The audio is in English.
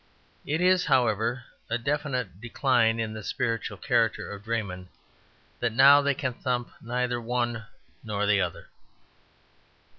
It is, however, a definite decline in the spiritual character of draymen that now they can thump neither one nor the other.